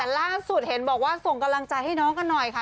ล่าสุดเห็นบอกว่าส่งกำลังใจให้น้องกันหน่อยค่ะ